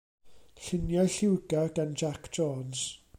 Lluniau lliwgar gan Jac Jones.